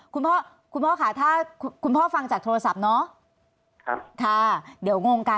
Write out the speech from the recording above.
คุณพ่อคุณพ่อค่ะถ้าคุณพ่อฟังจากโทรศัพท์เนาะ